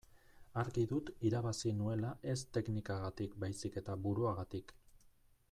Argi dut irabazi nuela ez teknikagatik baizik eta buruagatik.